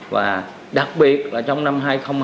và đặc biệt là trong năm hai nghìn hai mươi